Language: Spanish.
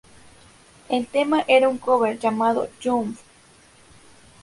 El tema era un cover llamado ""Jump!"".